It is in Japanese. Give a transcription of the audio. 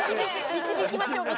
導きましょう。